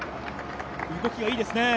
動きがいいですね。